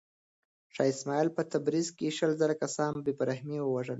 شاه اسماعیل په تبریز کې شل زره کسان په بې رحمۍ ووژل.